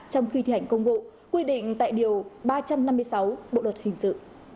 trong khi thi hành công vụ quy định tại điều ba trăm năm mươi sáu bộ luật hình sự